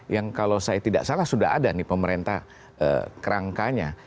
yang kalau saya tidak salah sudah ada nih pemerintah kerangkanya